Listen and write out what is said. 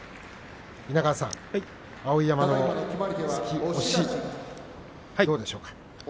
稲川さん碧山の突き押しどうでしょうか？